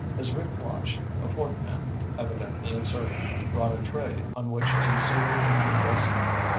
As Rick watched, a fourth man, evidently a servant, brought a tray on which a silver pitcher rested.